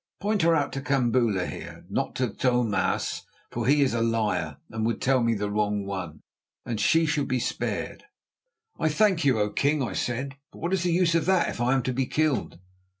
Point her out to Kambula here—not to Tho maas, for he is a liar and would tell me the wrong one—and she shall be spared." "I thank you, O king," I said; "but what is the use of that if I am to be killed?"